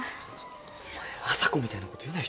お前麻子みたいなこと言うなよ